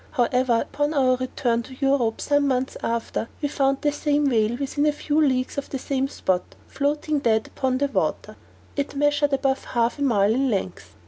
However, upon our return to Europe, some months after, we found the same whale within a few leagues of the same spot, floating dead upon the water; it measured above half a mile in length.